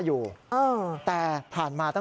ส่องเพราะอะไร